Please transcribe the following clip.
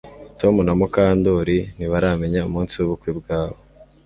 Tom na Mukandoli ntibaramenya umunsi wubukwe bwabo